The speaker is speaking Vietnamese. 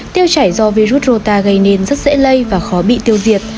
tiêu chảy do virus rota gây nên rất dễ lây và khó bị tiêu diệt